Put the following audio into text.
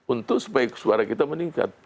untuk supaya suara kita meningkat